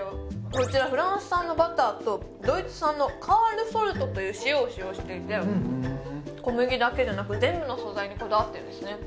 こちらフランス産のバターとドイツ産のカールソルトという塩を使用していて小麦だけじゃなく全部の素材にこだわってるんですね